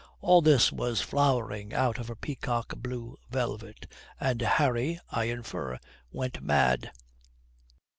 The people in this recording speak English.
All this was flowering out of her peacock blue velvet, and Harry, I infer, went mad.